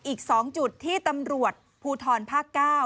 อีก๒จุดที่ตำรวจภูทรภาค๙